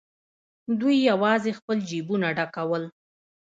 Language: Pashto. دوی یوازې خپل جېبونه ډکول.